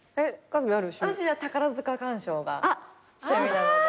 私宝塚鑑賞が趣味なので。